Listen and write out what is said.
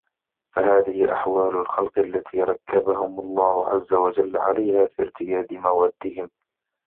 فَهَذِهِ أَحْوَالُ الْخَلْقِ الَّتِي رَكَّبَهُمْ اللَّهُ عَزَّ وَجَلَّ عَلَيْهَا فِي ارْتِيَادِ مَوَادِّهِمْ